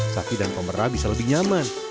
sapi dan pemera bisa lebih nyaman